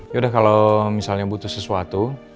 yaudah kalau misalnya butuh sesuatu